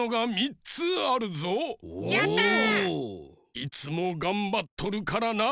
いつもがんばっとるからな。